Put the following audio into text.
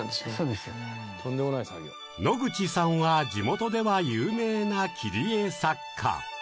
野口さんは、地元では有名な切り絵作家。